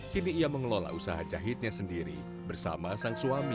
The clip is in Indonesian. kini ia mengelola usaha jahitnya sendiri bersama sang suami